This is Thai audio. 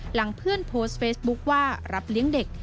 หลังเพื่อนโพสต์เฟซบุ๊คว่ารับเลี้ยงเด็ก